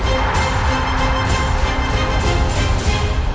โปรดติดตามตอนต่อไป